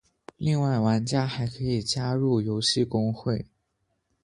另外玩家还可以加入游戏公会。